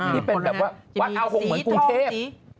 ที่เป็นแบบว่าวัดอาหงษ์เหมือนกรุงเทพ